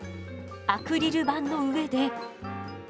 アクリル板の上で。